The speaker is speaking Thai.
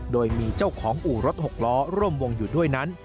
โดยมีเจ้าของอู่รถหกล้อร่วมวงอยู่ด้วยนั้น